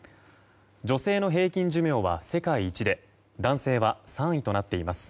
女性の平均寿命は世界一で男性は３位となっています。